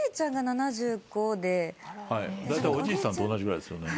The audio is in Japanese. だいたいおじいさんと同じぐらいですよね。